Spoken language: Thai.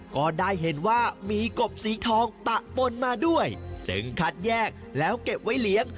ก็ได้เห็นว่ามีกบสีทองปะปนมาด้วยจึงคัดแยกแล้วเก็บไว้เลี้ยง